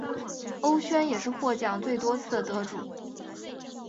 欧萱也是获奖最多次的得主。